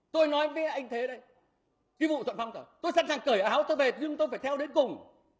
tôi nói với anh thế đây cái vụ thuận phong tỏa tôi sẵn sàng cởi áo tôi về nhưng tôi phải theo đến cùng